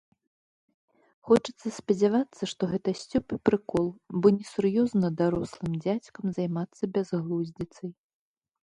Хочацца спадзявацца, што гэта сцёб і прыкол, бо несур'ёзна дарослым дзядзькам займацца бязглуздзіцай.